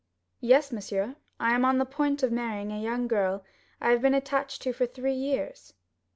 "Yes, monsieur; I am on the point of marrying a young girl I have been attached to for three years."